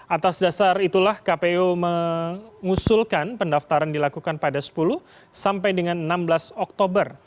atas dasar itulah kpu mengusulkan pendaftaran dilakukan pada sepuluh sampai dengan enam belas oktober